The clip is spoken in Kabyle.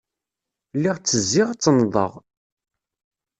Lliɣ ttezziɣ, ttennḍeɣ.